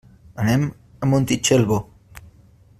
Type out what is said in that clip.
Anem a Montitxelvo.